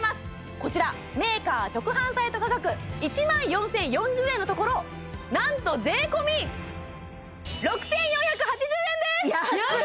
こちらメーカー直販サイト価格１万４０４０円のところなんと税込６４８０円です！